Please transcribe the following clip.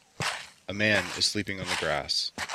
A man is sleeping on the grass.